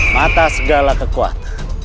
mata segala kekuat